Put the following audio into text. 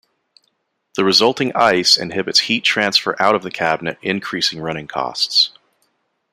The resulting ice inhibits heat transfer out of the cabinet increasing running costs.